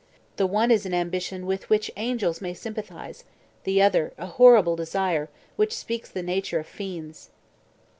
The one is an ambition, with which angels may sympathize; the other, a horrible desire, which speaks the nature of fiends."